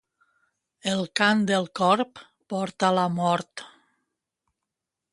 El cant del corb porta la mort.